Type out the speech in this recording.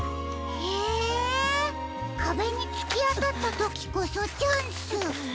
へえかべにつきあたったときこそチャンス。